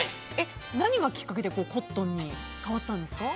何がきっかけでコットンに変わったんですか？